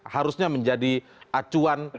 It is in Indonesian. harusnya menjadi acuan